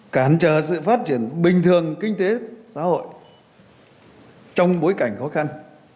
cản trở sự phát triển bình thường kinh tế xã hội trong bối cảnh khó khăn